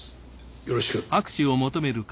よろしく。